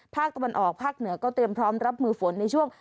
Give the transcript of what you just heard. ภาคตะวันออกภาคเหนือก็เตรียมพร้อมรับมือฝนในช่วง